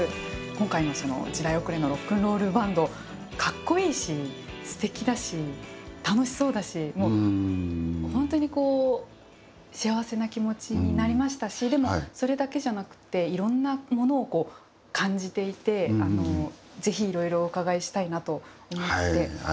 今回のその「時代遅れのＲｏｃｋ’ｎ’ＲｏｌｌＢａｎｄ」かっこいいしすてきだし楽しそうだしもう本当にこう幸せな気持ちになりましたしでもそれだけじゃなくていろんなものをこう感じていてぜひいろいろお伺いしたいなと思って。